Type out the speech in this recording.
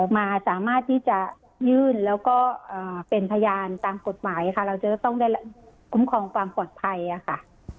มาสามารถที่จะยื่นแล้วก็เป็นพยานตามกฎหมายค่ะเราจะต้องได้คุ้มครองความปลอดภัยค่ะ